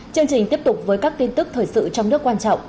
chương trình tiếp tục với các tin tức thời sự trong nước quan trọng